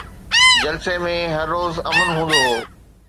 جلسي ۾ هر روز امن هوندو هو